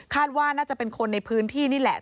ว่าน่าจะเป็นคนในพื้นที่นี่แหละ